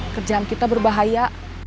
kerjaan kita berbahaya